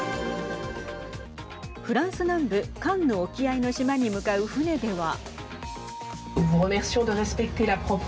フランス南部カンヌ沖合の島に向かう船では。